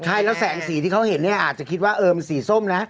ใช่แล้วแสงสีที่เขาเห็นเนี่ยอาจจะคิดว่าเออมันสีส้มนะ